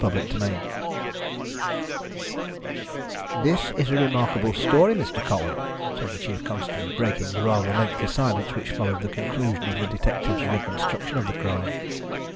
CHAPTER XXVI "This is a remarkable story, Mr. Colwyn," said the chief constable, breaking the rather lengthy silence which followed the conclusion of the detective's reconstruction of the crime.